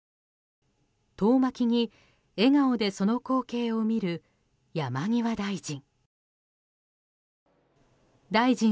遠巻きに、笑顔でその光景を見る山際大臣。